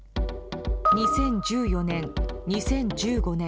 ２０１４年、２０１５年